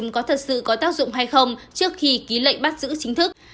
có tác dụng hay không trước khi ký lệnh bắt giữ chính thức